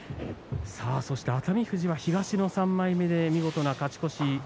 そして熱海富士は東の３枚目で見事な勝ち越し。